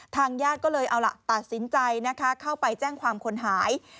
ญาติก็เลยเอาล่ะตัดสินใจนะคะเข้าไปแจ้งความคนหาย